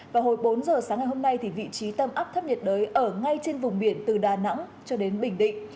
vào hồi bốn giờ sáng ngày hôm nay vị trí tâm áp thấp nhiệt đới ở ngay trên vùng biển từ đà nẵng cho đến bình định